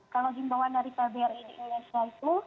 kalau himbawan dari kbri di indonesia itu